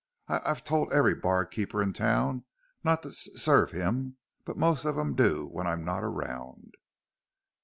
I've t told every barkeep in town not to s serve him, but most of 'em do when I'm not around."